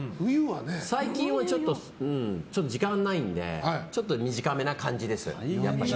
最近は時間がないのでちょっと短めな感じですね。